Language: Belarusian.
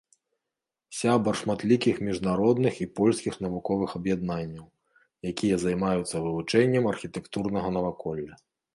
Сябар шматлікіх міжнародных і польскіх навуковых аб'яднанняў, якія займаюцца вывучэннем архітэктурнага наваколля.